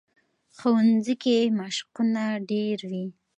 ښوونځی کې مشقونه ډېر وي